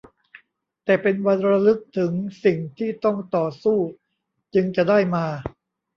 แต่เป็นวันระลึกถึงสิ่งที่ต้องต่อสู้จึงจะได้มา